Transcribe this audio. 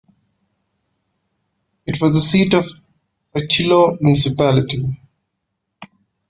It was the seat of Oitylo municipality.